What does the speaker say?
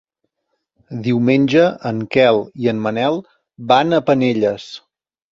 Diumenge en Quel i en Manel van a Penelles.